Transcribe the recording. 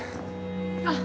あっ。